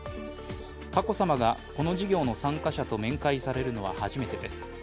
佳子さまがこの事業の参加者と面会されるのは初めてです。